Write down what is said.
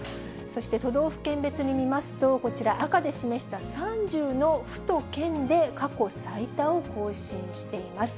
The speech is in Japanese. そして都道府県別に見ますと、こちら、赤で示した３０の府と県で過去最多を更新しています。